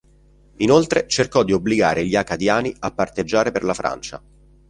Inoltre cercò di obbligare gli acadiani a parteggiare per la Francia.